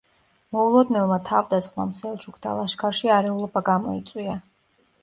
მოულოდნელმა თავდასხმამ სელჩუკთა ლაშქარში არეულობა გამოიწვია.